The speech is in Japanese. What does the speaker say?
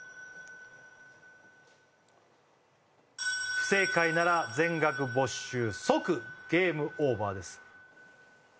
不正解なら全額没収即ゲームオーバーです